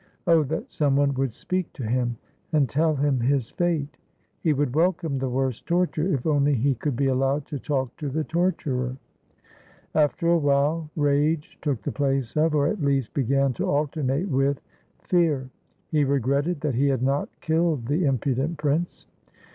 Oh, that some one would speak to him, and tell him his fate! He would welcome the worst torture, if only he could be allowed to talk to the torturer. After a while rage took the place of, or at least began to alternate with, fear. He regretted that he had not killed the impudent prince.